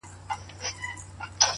دي روح کي اغښل سوی دومره ـ